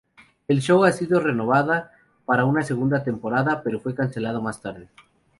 El show ha sido renovada para una segunda temporada, pero fue cancelado más tarde.